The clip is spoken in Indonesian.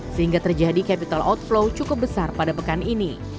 sehingga terjadi capital outflow cukup besar pada pekan ini